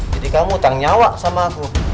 jadi kamu utang nyawa sama aku